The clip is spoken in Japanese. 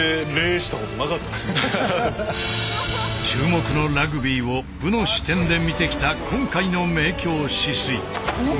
注目のラグビーを武の視点で見てきた今回の「明鏡止水」。